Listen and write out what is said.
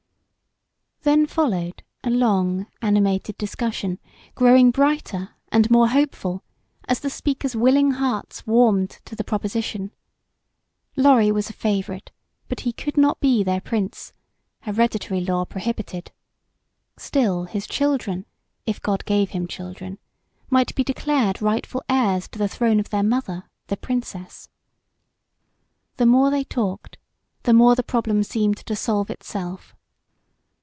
Then followed a long, animated discussion, growing brighter and more hopeful as the speakers' willing hearts warmed to the proposition. Lorry was a favorite but he could not be their prince. Hereditary law prohibited. Still his children if God gave him children, might be declared rightful heirs to the throne of their mother, the Princess. The more they talked, the more the problem seemed to solve itself.